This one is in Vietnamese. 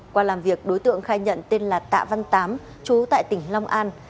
qua làm việc đối tượng khai nhận tên là tạ văn tám chú tại tỉnh long an